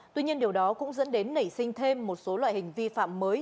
tuy nhiên điều đó cũng dẫn đến nảy sinh thêm một số loại hình vi phạm mới